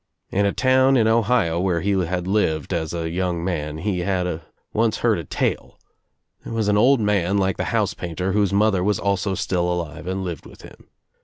In a town in Ohio where he had lived as a young man he had once heard a tale. There was an old man like the house painter whose mother was also still alive and lived with him.